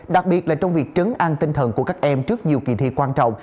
đặc biệt là trong việc trấn an tinh thần của các em trước nhiều kỳ thi quan trọng